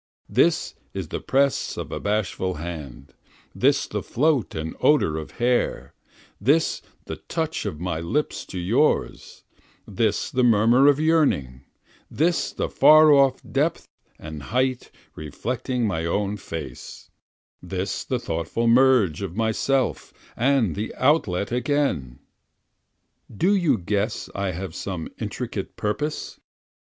This is the press of a bashful hand, this the float and odor of hair, This the touch of my lips to yours, this the murmur of yearning, This the far off depth and height reflecting my own face, This the thoughtful merge of myself, and the outlet again. Do you guess I have some intricate purpose?